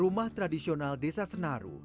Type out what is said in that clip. rumah tradisional desa senaru